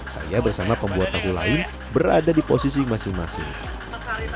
saya bersama pembuat tahu lain berada di posisi masing masing